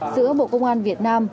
giữa bộ công an việt nam